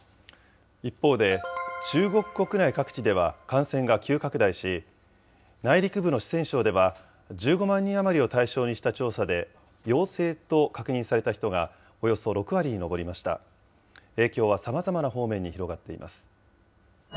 一方で、中国国内各地では感染が急拡大し、内陸部の四川省では、１５万人余りを対象にした調査で陽性と確認された人がおよそ６割に上りました。